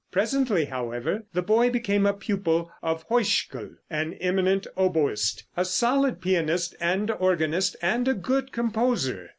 Presently, however, the boy became a pupil of Heuschkel, an eminent oboeist, a solid pianist and organist, and a good composer.